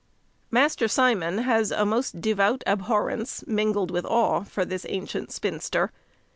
Master Simon has a most devout abhorrence, mingled with awe, for this ancient spinster.